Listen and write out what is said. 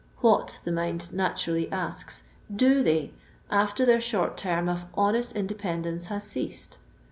iT^hat, the mind naturally asks, do they after their short term of honest independence has ceased?